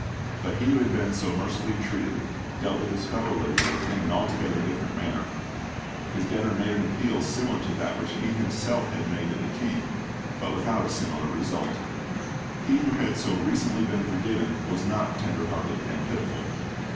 But he who had been so mercifully treated, dealt with his fellow laborer in an altogether different manner. His debtor made an appeal similar to that which he himself had made to the king, but without a similar result. He who had so recently been forgiven was not tender hearted and pitiful.